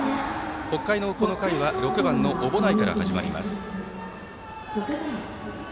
北海のこの回は６番、小保内から始まります。